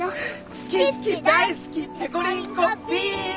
好き好き大好きペコリンコビーム。